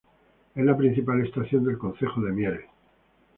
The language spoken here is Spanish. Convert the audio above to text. Es la principal estación del concejo de Mieres.